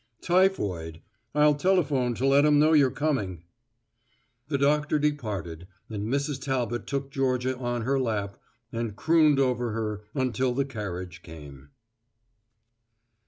"Typhoid I'll go telephone to let 'em know you're coming." The doctor departed and Mrs. Talbot took Georgia on her lap and crooned over her until the carriage came.